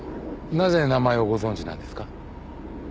なぜ名前をご存じなんですか？